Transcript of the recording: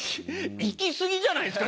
行き過ぎじゃないですか？